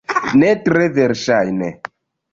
Ne tre verŝajne.